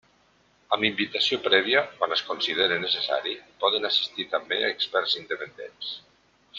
Amb invitació prèvia, quan es considere necessari, poden assistir també experts independents.